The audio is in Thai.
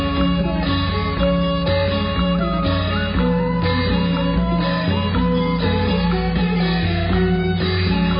มหาองค์จากไปแดนใจยังสะทิดไทยหัวใจเตียงมัน